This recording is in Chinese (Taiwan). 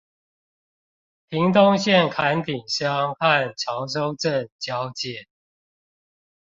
屏東縣崁頂鄉和潮州鎮交界